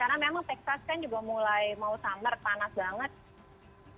karena memang texas kan juga mulai mau summer panas banget